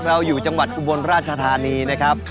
เราอยู่จังหวัดอุบลราชธานีนะครับ